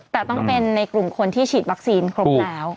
แต่ต้องเป็นในกลุ่มคนที่ฉีดวัคซีนครบแล้ว